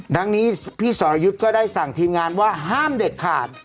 ทั้งนี้พี่สรยุทธ์ก็ได้สั่งทีมงานว่าห้ามเด็ดขาด